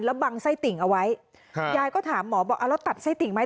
แล้วบังไส้ติ่งเอาไว้ยายก็ถามหมอบอกเอาแล้วตัดไส้ติ่งไหม